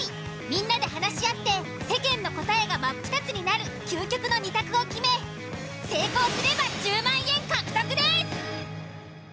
みんなで話し合って世間の答えがマップタツになる究極の２択を決め成功すれば１０万円獲得です！